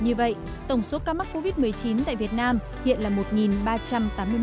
như vậy tổng số ca mắc covid một mươi chín tại việt nam hiện là một ba trăm tám mươi một ca